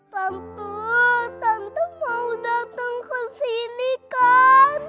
tante tante mau datang ke sini kan